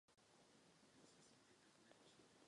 Proto není dostatečné bojovat proti zaměstnavatelům.